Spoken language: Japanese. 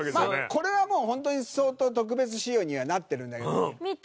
これは、もう本当に相当特別仕様にはなってるんだけど。